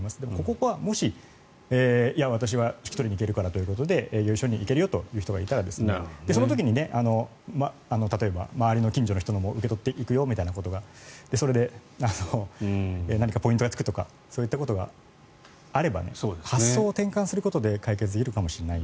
ここが、もし私は引き取りに行けるからとか営業所に行けるよという人がいたら、その時に例えば周りの近所の人も受け取っていくよみたいなそれで何かポイントがつくとかそういうことがあれば発想を転換することで解決できるかもしれない。